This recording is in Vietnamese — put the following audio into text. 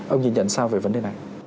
ông nhìn nhận sao về vấn đề này